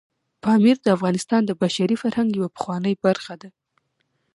پامیر د افغانستان د بشري فرهنګ یوه پخوانۍ برخه ده.